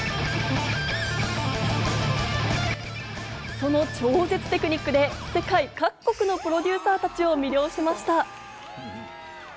その超絶テクニックで世界各国のプロデューサーたちを魅了しました。